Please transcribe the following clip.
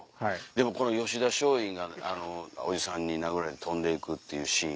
でも吉田松陰が叔父さんに殴られて飛んでいくっていうシーン。